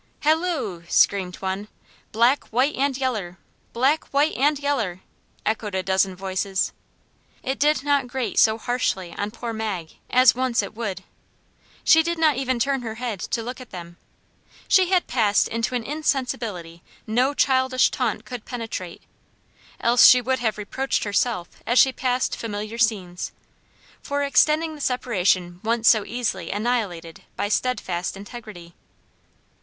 "Halloo!" screamed one, "Black, white and yeller!" "Black, white and yeller," echoed a dozen voices. It did not grate so harshly on poor Mag as once it would. She did not even turn her head to look at them. She had passed into an insensibility no childish taunt could penetrate, else she would have reproached herself as she passed familiar scenes, for extending the separation once so easily annihilated by steadfast integrity.